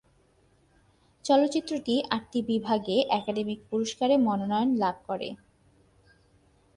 চলচ্চিত্রটি আটটি বিভাগে একাডেমি পুরস্কারের মনোনয়ন লাভ করে।